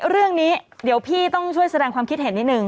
เรื่องนี้เดี๋ยวพี่ต้องช่วยแสดงความคิดเห็นนิดนึง